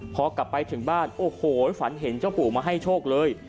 พอกลับไปถึงบ้านโอ้โหฝันเห็นเจ้าปู่มาให้โชคเลย